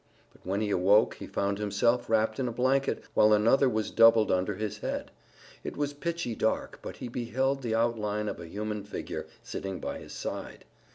But when he awoke he found himself wrapped in a blanket, while another was doubled under his head. It was pitchy dark, but he beheld the outline of a human figure, sitting by his side.